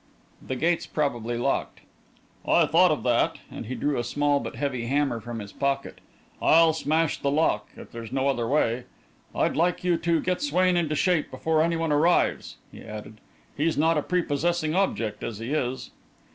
"The gate's probably locked." "I thought of that," and he drew a small but heavy hammer from his pocket. "I'll smash the lock, if there's no other way. I'd like you to get Swain into shape before anyone arrives," he added. "He's not a prepossessing object as he is."